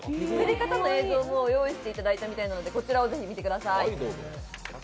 作り方の映像も用意していただいたみたいなんでこちらをぜひ見てください。